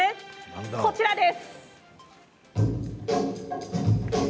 こちらです。